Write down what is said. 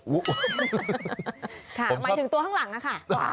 หมายถึงตัวข้างหลังอะค่ะ